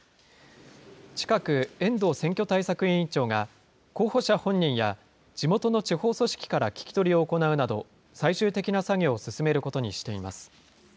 近く遠藤選挙対策委員長が、候補者本人や地元の地方組織から聞き取りを行うなど、最終的な作業を進めることにしています。